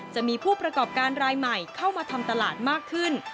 จะมีผู้ประกอบการรายใหม่เข้ามาทำตลาดมากขึ้น